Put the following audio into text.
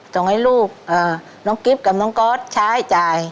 ส่งให้ลูกน้องกิ๊บกับน้องก๊อตใช้จ่าย